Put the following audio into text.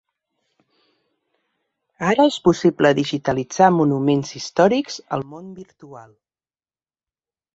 Ara és possible digitalitzar monuments històrics al món virtual.